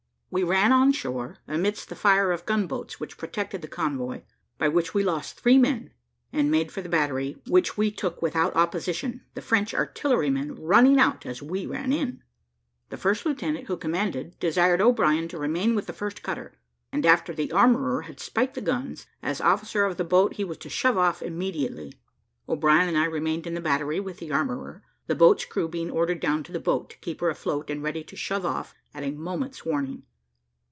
We ran on shore, amidst the fire of the gun boats which protected the convoy, by which we lost three men, and made for the battery, which we took without opposition, the French artillerymen running out as we ran in. The first lieutenant, who commanded, desired O'Brien to remain with the first cutter, and after the armourer had spiked the guns, as officer of the boat he was to shove off immediately. O'Brien and I remained in the battery with the armourer, the boat's crew being ordered down to the boat, to keep her afloat, and ready to shove off at a moment's warning.